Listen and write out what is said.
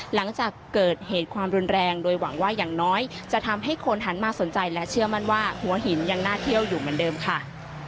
หลังจากเกิดเหตุความรุนแรงโดยหวังว่าอย่างน้อยจะทำให้คนหันมาสนใจและเชื่อมั่นว่าหัวหินยังน่าเที่ยวอยู่เหมือนเดิมค่ะ